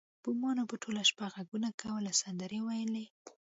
بومانو به ټوله شپه غږونه کول او سندرې ویلې